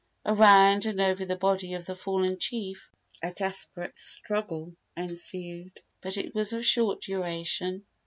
Around and over the body of the fallen chief a desperate struggle ensued. But it was of short duration.